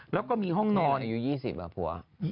แล้วก็มีห้องนอนอายุ๒๐อ่ะผัว